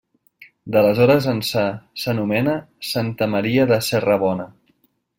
D'aleshores ençà s'anomena Santa Maria de Serrabona.